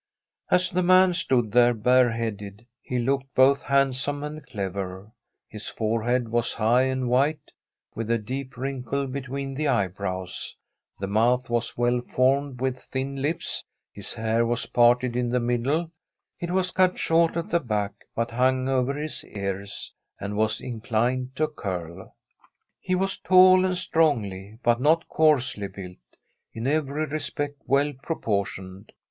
As the man stood there bare headed, he looked both handsome and clever. His fore head was high and white, with a deep wrinkle between the eyebrows; the mouth was well formed, with thin lips. His hair was jparted in the middle; it was cut short at the back, but hung over his ears, and was inclined to curl. He was tall, and strongly, but not coarsely, built ; in every respect well proportioned.